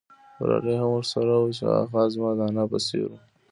وراره یې هم ورسره وو چې هغه خاص زما د انا په څېر وو.